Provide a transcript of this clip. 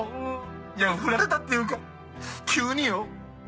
いやフラれたっていうか急によ。